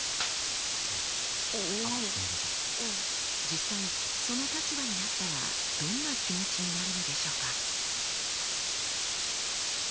実際その立場になったらどんな気持ちになるのでしょうか？